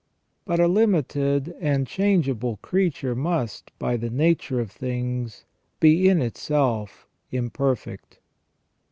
But a limited and changeable creature must, by the nature of things, be in itself imperfect.